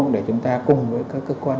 để chúng ta cùng với các cơ quan